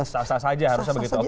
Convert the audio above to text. sasa saja harusnya begitu